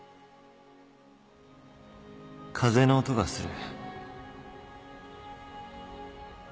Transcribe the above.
風の音がする